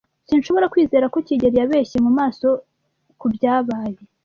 Sinshobora kwizera ko kigeli yabeshye mu maso ku byabaye.